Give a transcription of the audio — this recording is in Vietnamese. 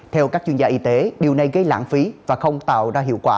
theo các chuyên gia y tế điều này gây lãng phí và không tạo ra hiệu quả